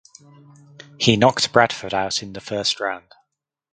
He knocked Bradford out in the first round.